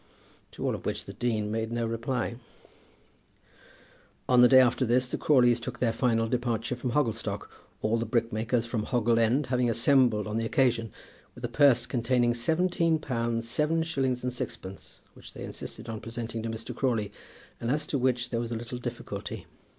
To all of which the dean made no reply. On the day after this the Crawleys took their final departure from Hogglestock, all the brickmakers from Hoggle End having assembled on the occasion, with a purse containing seventeen pounds seven shillings and sixpence, which they insisted on presenting to Mr. Crawley, and as to which there was a little difficulty.